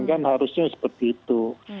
kan harusnya seperti itu